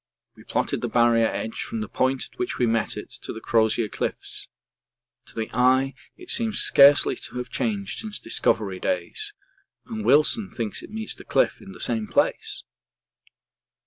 We plotted the Barrier edge from the point at which we met it to the Crozier cliffs; to the eye it seems scarcely to have changed since Discovery days, and Wilson thinks it meets the cliff in the same place.